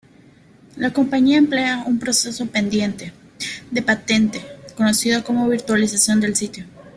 La compañía emplea un proceso pendiente de patente conocido como "virtualización del sitio".